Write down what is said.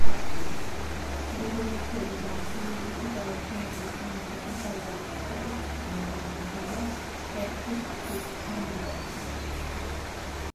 რეზოლუციაზე განხილული იყო გაერთიანებულ სამეფოსა და ალბანეთს შორის წამოჭრილი დავა კორფუს სრუტესთან დაკავშირებით.